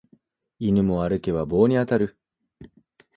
犬も歩けば棒に当たる